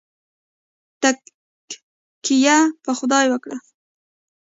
تککیه په خدای وکړئ